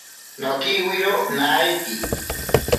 Nokiwiro naiki.